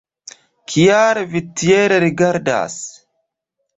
Kial vi tiel rigardas?